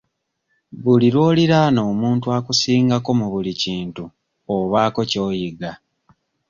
Buli lw'oliraana omuntu akusingako mu buli kintu obaako ky'oyiga.